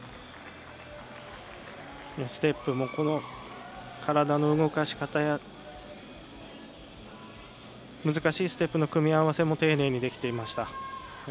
ステップも体の動かし方や難しいステップの組み合わせも丁寧にできていました。